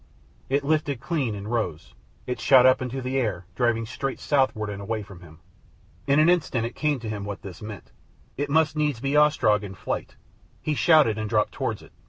It lifted clean and rose. It shot up into the air, driving straight southward and away from him. In an instant it came to him what this meant. It must needs be Ostrog in flight. He shouted and dropped towards it.